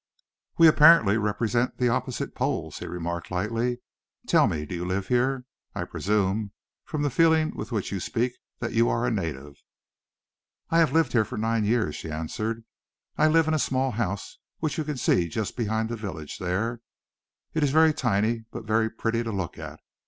"We apparently represent the opposite poles," he remarked lightly. "Tell me, do you live here? I presume, from the feeling with which you speak, that you are a native." "I have lived here for nine years," she answered. "I live in a small house, which you can see just behind the village there. It is very tiny, but very pretty to look at.